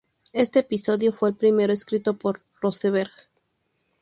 Este episodio fue el primero escrito por Rosenberg.